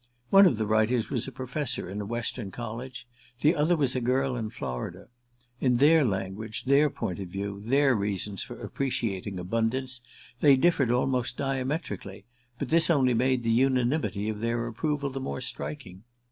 One of the writers was a professor in a Western college; the other was a girl in Florida. In their language, their point of view, their reasons for appreciating "Abundance," they differed almost diametrically; but this only made the unanimity of their approval the more striking.